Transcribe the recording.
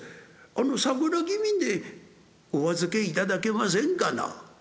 あの『佐倉義民伝』お預けいただけませんかな」。